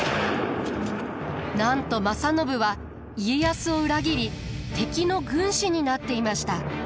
なんと正信は家康を裏切り敵の軍師になっていました。